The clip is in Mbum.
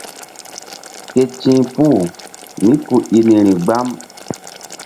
Ké ti̧h puh mí ku i niri gbam.